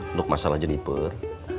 untuk masalah jeniper